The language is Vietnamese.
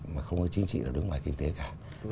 mà không có chính trị nào đứng ngoài kinh tế cả